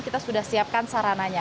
kita sudah siapkan sarananya